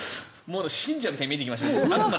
信者みたいに見えてきました。